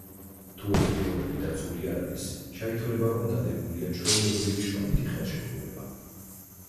თუ ეს პირობები დაცული არ არის, ჩაითვლება, რომ დადებულია ჩვეულებრივი შრომითი ხელშეკრულება.